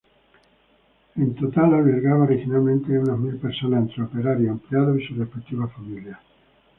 En total, albergaba originalmente unas mil personas entre operarios, empleados y sus respectivas familias.